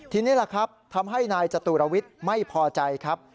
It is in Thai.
ทีนี้แหละครับทำให้นายจตุรวิทย์ไม่พอใจครับ